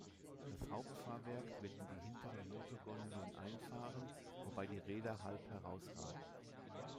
Das Hauptfahrwerk wird in die hinteren Motorgondeln einfahren, wobei die Räder halb herausragen.